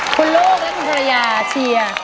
คุณลูกนั้นจะอย่าเชียร์